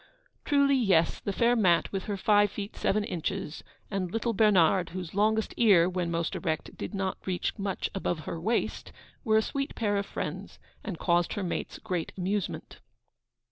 Truly, yes; the fair Mat with her five feet seven inches, and little Bernard, whose longest ear, when most erect, did not reach much above her waist, were a sweet pair of friends, and caused her mates great amusement.